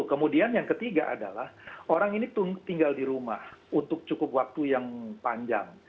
kemudian yang ketiga adalah orang ini tinggal di rumah untuk cukup waktu yang panjang